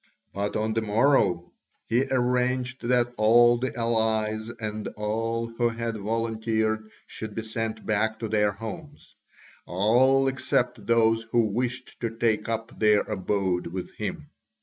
But on the morrow he arranged that all the allies and all who had volunteered should be sent back to their homes, all except those who wished to take up their abode with him.